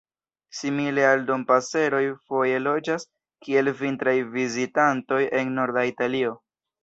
Simile la Dompaseroj foje loĝas kiel vintraj vizitantoj en norda Italio.